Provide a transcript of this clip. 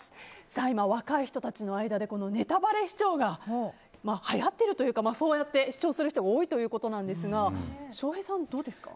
今、若い人たちの間でネタバレ視聴がはやっているというかそうやって視聴する人が多いということなんですが翔平さん、どうですか？